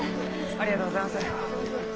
ありがとうございます！